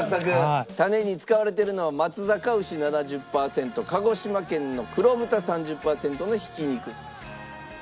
タネに使われてるのは松阪牛７０パーセント鹿児島県の黒豚３０パーセントのひき肉。